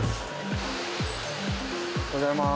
おはようございます。